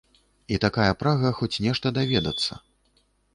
І такая прага хоць нешта даведацца.